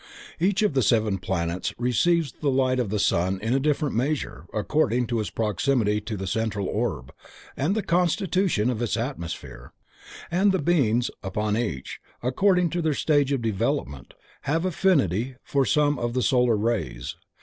Each of the seven planets receives the light of the sun in a different measure, according to its proximity to the central orb and the constitution of its atmosphere, and the beings upon each, according to their stage of development, have affinity for some of the solar rays.